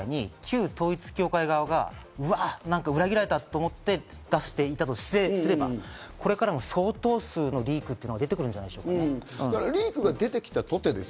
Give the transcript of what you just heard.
有田さんがおっしゃったように、旧統一教会側がうわ、裏切られた！と思って出していたとすれば、これからも相当数のリークというのが出てくるんじゃないでしょうか。